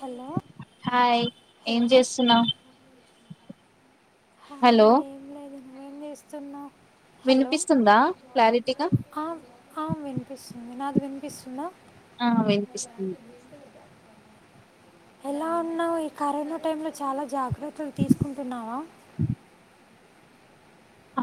Hello hi ఏం hello చేస్తున్నావ్ hi hello ఏం చేస్తున్నా వినిపిస్తుందా క్లారిటీగా ఆ, ఆ వినిపిస్తుంది నాది వినిపిస్తుంద ఆ వినిపిస్తుంది ఎలా ఉన్నావ్ ఈ కరోనా టైమ్ లో చాలా జాబ్ జాగ్రత్తలు తీసుకుంటున్నావా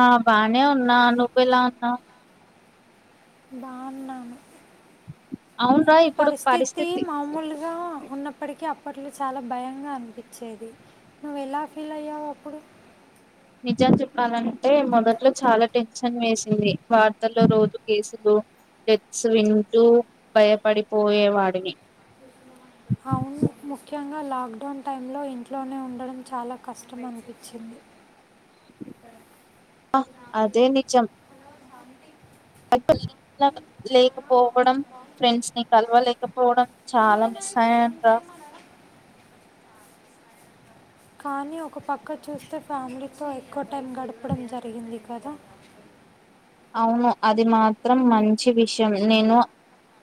ఆ బానే ఉన్నా నువ్వు ఎలా ఉన్నా బాన్నాను ఇప్పుడు పరిస్థితి మామూలుగా ఉన్నప్పటికీ అప్పట్లో చాలా భయంగా అనిపించేది నువ్వు ఎలా ఫీల్ అయ్యావు అప్పుడు నిజం చెప్పాలంటే మొదట్లో చాలా టెన్షన్ వేసింది. వార్తల్లో రోజు కేసులు డెత్స్ వింటూ, భయపడిపోయేవాడిని. అవును ముఖ్యంగా లాక్డౌన్ టైంలో ఇంట్లోనే ఉండడం చాలా కష్టం అనిపించింది ఆ అదే నిజం లేకపోవడం ఫ్రెండ్స్ ని కలవలేకపోవడం చాలా మిస్ అయ్యాను రా కానీ ఒక పక్క చూస్తే ఫ్యామిలీతో ఎక్కువ టైం గడపడం జరిగింది కదా అవును అది మాత్రం మంచి విషయం నేను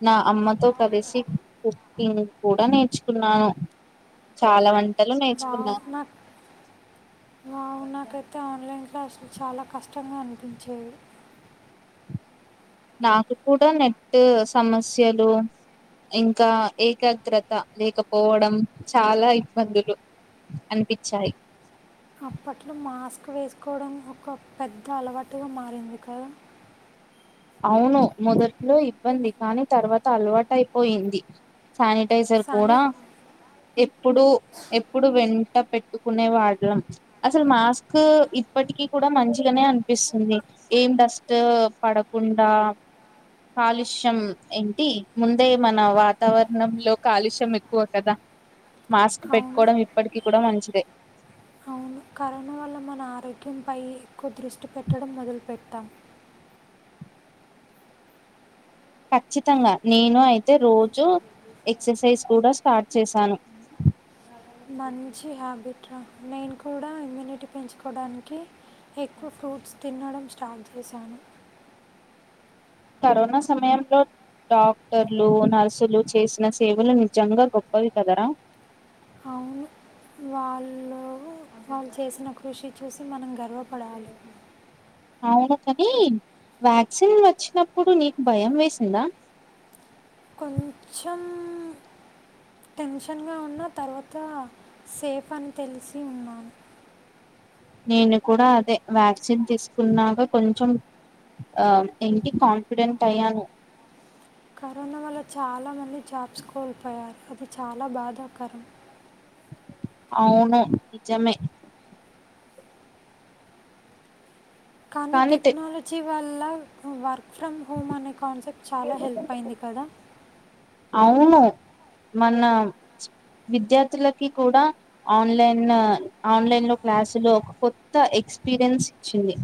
నా అమ్మతో కలిసి కుక్కింగ్ కూడా నేర్చుకున్నాను చాలా వంటలు నేర్చుకు అవునా నాకైతే ఆన్లైన్ క్లాస్ చాలా కష్టం కష్టంగా అనిపించేవి నాకు కూడా నెట్ సమస్యలు ఇంకా ఏకాగ్రత లేకపోవడం చాలా ఇబ్బందులు అనిపించాయి అప్పట్లో మాస్క్ వేసుకోవడం ఒక పెద్ద అలవాటుగా మారింది కదా అవును మొదట్లో ఇబ్బంది కానీ తర్వాత అలవాటైపోయింది శానిటైజర్ సాని కూడా ఎప్పుడు ఎప్పుడు వెంట పెట్టుకునే వాడలం అసలు మాస్క్ ఇప్పటికీ కూడా మంచిగానే అనిపిస్తుంది ఏం డస్ట్ పడ తకుండా కాలుష్యం ఏంటి ముందే మన వాతావరణంలో కాలుష్యం ఎక్కువ కదా మాస్క్ అవును పెట్టుకోవడం ఇప్పటికీ కూడా మంచిదే అవును కరోనా వల్ల మన ఆరోగ్యంపై ఎక్కువ దృష్టి పెట్టడం మొదలుపెట్టాం ఖచ్చితంగా నేను అయితే రోజూ ఎక్సర్సైజ్ కూడా స్టార్ట్ చేశాను మంచి హ్యాబిట్ రా నేను కూడా ఇమ్యూనిటీ పెంచుకోవడానికి ఎక్కువ ఫ్రూట్స్ తినడం స్టార్ట్ చేశాను కరోనా సమయంలో డాక్టర్లు నర్సులు చేసిన సేవలు నిజంగా గొప్పవి కదరా అవును వాళ్ళు వాళ్ళు చేసిన కృషి చూసి మనం గర్వపడాలి అవును కాని వ్యాక్సిన్ వచ్చినప్పుడు నీకు భయం వేసిందా కొంచెం టెన్షన్గా ఉన్న తర్వాత సేఫ్ అని తెలిసి ఉన్నాము నేను కూడా అదే వ్యాక్సిన్ తీసుకున్నాక కొంచెం ఏంటి కాన్ఫిడెంట్ అయ్యాను కరోనా వల్ల చాలా మంది జాబ్స్ కోల్పోయారు అది చాలా బాధాకరం అవును నిజమే కానీ టెక్నాలజీ వాల్ళ అలా వర్ వర్క్ ఫ్రమ్ హోమ్ అనే కాన్సెప్ట్ చాలా హెల్ప్ అయింది కదా అవును మన విద్యార్థులకి కూడా ఆన్లైన్ ఆన్లైన్ లో క్లాసులు ఒక కొత్త ఎక్స్పీరియన్స్ ఇచ్చింది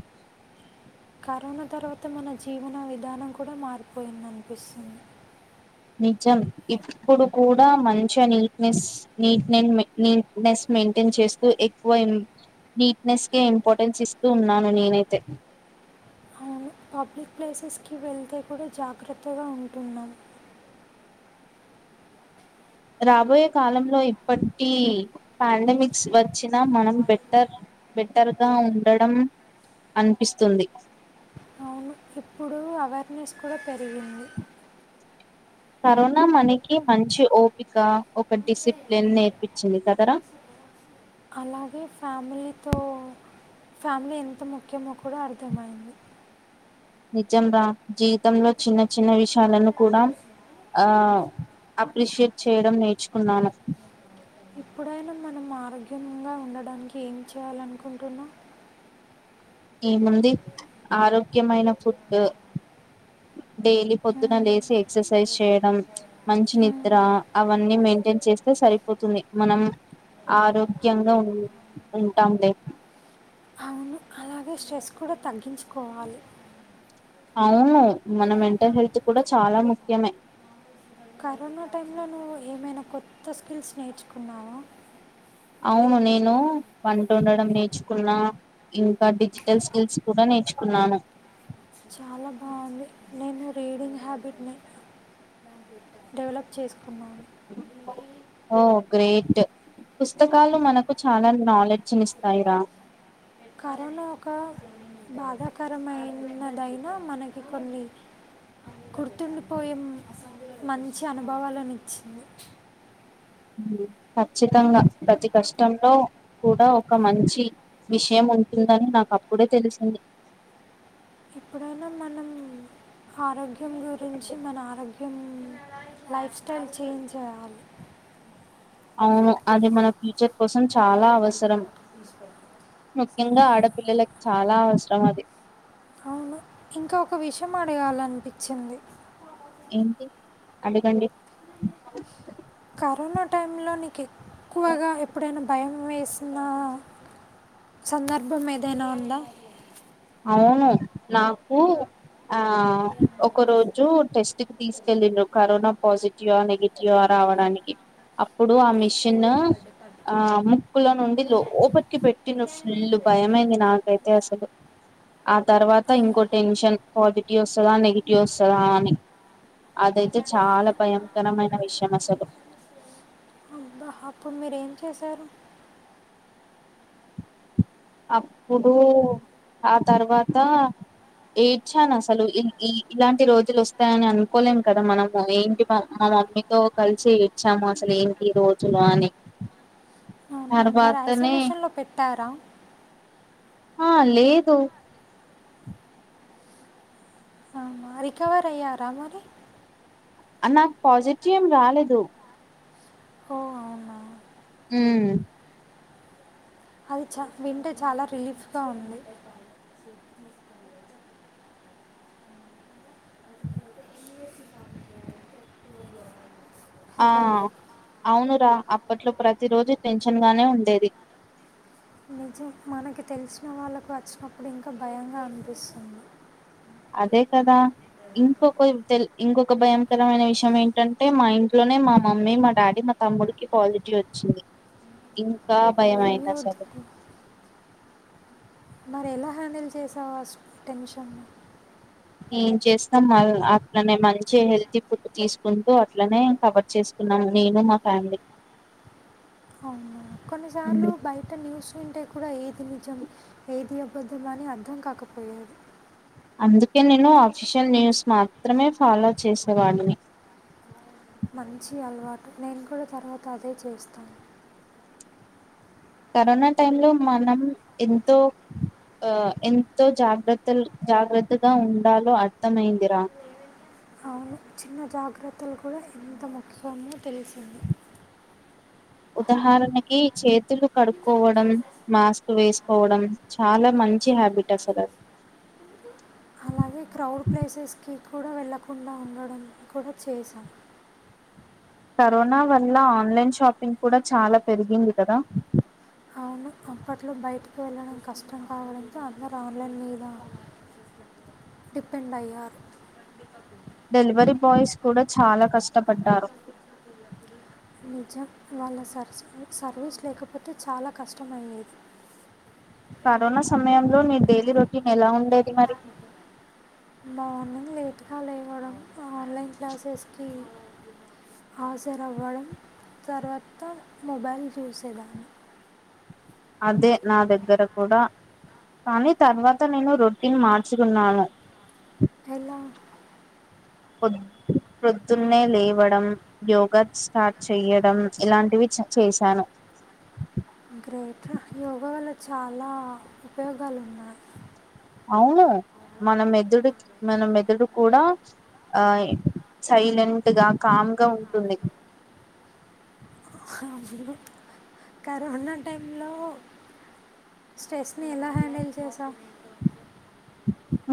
కరోనా తర్వాత మన జీవన విధానం కూడా మారిపోయిందనిపిస్తుంది నిజం ఇప్పుడు కూడా మంచి నీట్నెస్ మెయింటైన్ చేస్తూ ఎక్కువ నీట్నెస్కే ఇంపార్టెన్స్ ఇస్తూ ఉన్నాను నేనైతే అవును పబ్లిక్ ప్లేసెస్కి వెళ్తే కూడా జాగ్రత్తగా ఉంటున్నాం రాబోయే కాలంలో ఇప్పటి పాండమిక్స్ వచ్చినా మనం బెటర్ బెటర్గా ఉండడం అనిపిస్తుంది అవును ఇప్పుడు అవేర్నెస్ కూడా పెరిగింది కరోనా మనకి మంచి ఓపిక ఒక డిసిప్లిన్ నేర్పించింది కదరా అలాగే ఫ్యామిలీతో ఫ్యామిలీ ఎంత ముఖ్యమో కూడా అర్థమైంది నిజం రా జీవితంలో చిన్న చిన్న విషయాలను కూడా ఆ అప్రిషియేట్ చేయడం నేర్చుకున్నాను ఇప్పుడైనా మనం ఆరోగ్యంగా ఉండడానికి ఏం చేయాలనుకుంటున్నా ఈ ముంది ఆరోగ్యమైన ఫుడ్ డైలీ పొద్దున మ్మ్. లేచి ఎక్సర్సైజ్ చేయడం మంచి నిద్ర మ్మ్. అవన్నీ మెయింటైన్ చేస్తే సరిపోతుంది మనం ఆరోగ్యంగా ఉ ఉంటాం లే అవును అలాగే స్ట్రెస్ కూడా తగ్గించుకోవాలి అవును మన మెంటల్ హెల్త్ కూడా చాలా ముఖ్యమే కరోనా టైమ్ లో నువవు ఏమైనా కొ ఎంత స్కిల్స్ నేర్చుకున్నాము అవును నేను వంట ఉండడం నేర్చుకున్నా ఇంకా డిజిటల్ స్కిల్స్ కూడా నేర్చుకున్నాను చాలా బాగుంది నేను రీడింగ్ హ్యాబిట్ ని డెవలప్ చేసుకు కుమ్మ ఈ ఓ గ్రేట్ పుస్తకాలు మనకు చాలా నాలెడ్జ్ ని ఇస్తాయిరా కరోనా ఒక బాధాకరమైనదైనా మనకి కొన్ని గుర్తుండిపోయే మంచి అనుభవాలనిచ్చింది ఖచ్చితంగా ప్రతి కష్టంలో కూడా ఒక మంచి విషయం ఉంటుందని నాకు అప్పుడే తెలిసింది ఎప్పుడైనా మనం ఆరోగ్య యం గురించి మన ఆర్యం ఇగ మీ లైఫ్ స్టైల్ చేంజ్ చేయాలి అవును అది మన ఫ్యూచర్ కోసం చాలా అవసరం ముఖ్యంగా ఆడపిల్లలకి చాలా అవసరం అది అవును ఇంకా ఒక విషయం అడగాలనిపించింది ఏంటి అడగండి కరోనా టైమ్ లో ని ఎక్కువగా ఎప్పుడైనా భయం వేసిన సందర్భం ఏదైనా ఉందా అవును నాకు ఆ ఒక రోజు టెస్ట్ కి తీసుకెళ్ళిడు కరోనా పాజిటివ్ నెగిటివ్ రావడానికి అప్పుడు ఆ మిషిన్ ఆ ముక్కులో నుండి లోపలికి పెట్టిన ఫుల్ భయమైంది నాకైతే అసలు ఆ తర్వాత ఇంకో టెన్షన్ పాజిటివ్ వస్తుందా నెగిటివ్ వస్తుదా అని అదైతే చాలా భయంకరమైన విషయం అసలు అబ్బా అప్పుడు మీరు ఏం చేశారు అప్పుడు ఆ తర్వాత ఏడ్చాను అసలు ఇన్ ఇ ఇలాంటి రోజులు వస్తాయని అనుకోలేం కదా మనము ఏంటి మా మమ్మీతో కలిసి ఏడ్చాము అసలు ఏంటి రోజులు అని మరి తర్వాతనే ఐసోలేషన్లో పెట్టారా ఆ లేదు అవునా రికవర్ అయ్యారా మరి నాకు పాజిటివ్ ఏం రాలేదు ఓ అవునా ఉమ్ అది చ వింటే చాలా రిలీఫ్గా ఉంది ఆ హలో అవునురా అప్పట్లో ప్రతిరోజు టెన్షన్ గానే ఉండేది నిజం మనకి తెలిసిన వాళ్ళకు వచ్చినప్పుడు ఇంకా భయంగా అనిపిస్తుంది అదే కదా ఇంకొక తెల్ ఇంకొక భయంకరమైన విషయం ఏంటంటే మా ఇంట్లోనే మా మమ్మీ మా డాడీ మా తమ్ముడికి పాజిటివ్ వచ్చింది ఇంకా భయం అయింది అయ్యో అసలు దేవుడా, మరి ఎలా హ్యాండిల్ చేసావు ఆ టెన్షన్ ఏం చేస్తాం ఆల్ అట్లనే మంచిగా హెల్తీ ఫుడ్ తీసుకుంటూ అట్లనే కవర్ చేసుకున్నాం నేను మా ఫ్యామిలీ కొన్నిసార్లు బయట న్యూస్ వింటే కూడా ఏది నిజం ఏది అబద్ధం అని అర్థం కాకపోయది అందుకే నేను అఫీషియల్ న్యూస్ మాత్రమే ఫాలో చేసేవాడిని మంచి అలవాటు నేను కూడా తర్వాత అదే చేస్తాను కరోనా టైంలో మనం ఎంతో ఎంతో జాగ్రత్త జాగ్రత్తగా ఉండాలో అర్థమైందిరా అవును చిన్న జాగ్రత్తలు కూడా ఎంత ముఖ్యమో తెలిసింది ఉదాహరణకి చేతులు కడుక్కోవడం మాస్క్ వేసుకోవడం చాలా మంచి హ్యాబిట్ అసలు అది అదే క్రౌడ్ ప్లేసెస్కి కూడా వెళ్ళకుండా ఉండడం కూడా చేశాను కరోనా వల్ల ఆన్లైన్ షాపింగ్ కూడా చాలా పెరిగింది కదా అవును అప్పట్లో బయటకి వెళ్ళడం కష్టం కావాడంతో అందరు ఆన్లైన్ మీద డిపెండ్ అయ్యారు డెలివరీ బాయ్స్ కూడా చాలా కష్టపడ్డారు నిజం వాళ్ళ సర్స్ సర్వీస్ లేకపోతే చాలా కష్టమయ్యేది కరోనా సమయంలో నీ డైలీ రొటీన్ ఎలా ఉండేది మరి మార్నింగ్ లేట్గా లేవడం ఆన్లైన్ క్లాసెస్కి హాజర్ అవ్వడం తర్వాత మొబైల్ చూసేదాన్ని అదే నా దగ్గర కూడా కానీ తర్వాత నేను రొటీన్ మార్చుకున్నాను ఎలా ప్రొద్దున్నే లేవడం యోగా స్టార్ట్ చెయ్యడం ఇలాంటివి చేశాను గ్రేట్ యోగా వల్ల చాలా ఉపయోగాలు ఉన్నాయి అవును మన మెదుడుకి మన మెదుడు కూడా ఆ సైలెంట్గా కామ్గా ఉంటుంది కరోనా టైంలో స్ట్రెస్ని ఎలా హ్యాండిల్ చేసావ్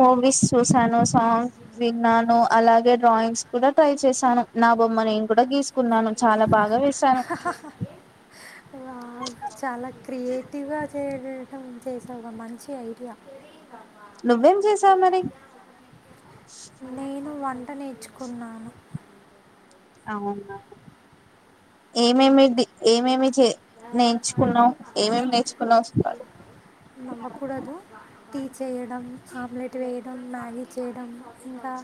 మూవీస్ చూసాను సాంగ్ విన్నాను అలాగే డ్రాయింగ్స్ కూడా ట్రై చేశాను నా బొమ్మ నేను కూడా గీసుకున్నాను చాలా బాగా వేస్తా హహహహా చాలా క్రియేటివ్ గా చేయటం చేసావ్ ఒక మంచి ఐడియా నువ్వేం చేసావు మరి ను వంట నేర్చుకున్నాను అవునా ఏమేమి ఏమేమి చే నేర్చుకున్నావు ఏమేమి నేర్చుకున్నావు అసలు నవ్వకూడదు టీ చేయడం ఆమ్లెట్ వేయడం మ్యాగి చేయడం ఇంకా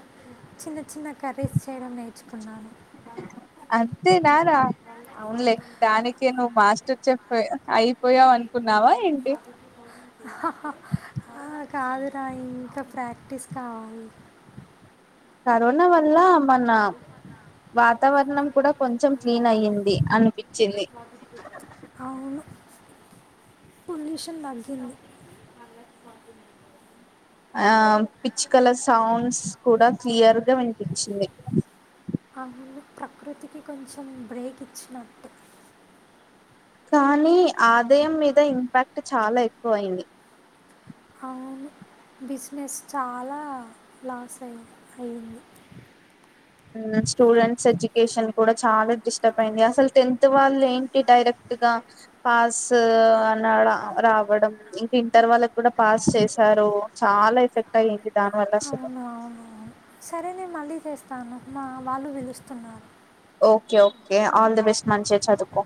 చిన్న చి చిన్న కర్రీస్ చేయడం నేర్చుకున్నాను అంతే నారా అవునులే దానికే నువ్వు మాస్టర్ చెప్ప అయిపోయావు అనుకున్నావా ఏంటి ఇం కాదురాయి ఇంకా ప్రాక్టీస్ కావాలి కరోనా వల్ల మన వాతావరణం కూడా కొంచెం క్లీన్ అయ్యింది అనిపించింది కొండ్యూషన్ తగ్గింది ఆ పిచ్చుకల సౌండ్స్ కూడా క్లియర్ గా వినిపించింది అందు ప్రకృతికి కొంచెం బ్రేక్ ఇచ్చినట్టు కానీ ఆదాయం మీద ఇంపాక్ట్ చాలా ఎక్కువ అయింది అవును బిజినెస్ చాలా లాస్ అయి అయింది స్టూడెంట్స్ ఎడ్యుకేషన్ కూడా చాలా డిస్టర్బ్ అయింది అసలు టెన్త్ వాళ్ళు ఏంటి డైరెక్ట్గా పాస్ అన రావడం ఇంకా ఇంటర్ వాళ్ళకు కూడా పాస్ చేశారు చాలా ఎఫెక్ట్ అయంది దాని వల్ల అసలు అవును అవును అవును సరే నేను మళ్ళీ చేస్తాను మా వాళ్ళు పిలుస్తున్నారు okay okay all the best మంచి చదుకో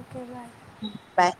ఓకే బాయ్ బాయ్